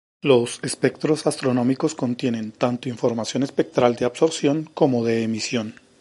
Los espectros astronómicos contienen tanto información espectral de absorción como de emisión.